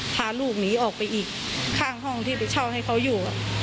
พาลูกหนีออกไปอีกข้างห้องที่ไปเช่าให้เขาอยู่